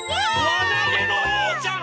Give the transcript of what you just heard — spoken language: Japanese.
わなげのおうちゃん！